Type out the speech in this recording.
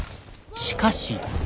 しかし。